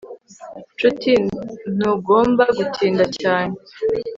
Nshuti ntugomba gutinda cyane